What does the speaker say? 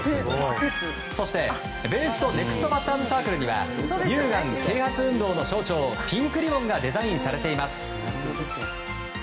そして、ベースとネクストバッターズサークルには乳がん啓発運動の象徴ピンクリボンがデザインされています。